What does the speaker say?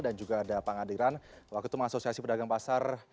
dan juga ada pengadilan wakultum asosiasi pedagang pasar